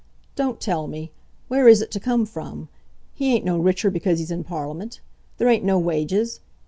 "Don't tell me; where is it to come from? He ain't no richer because he's in Parliament. There ain't no wages.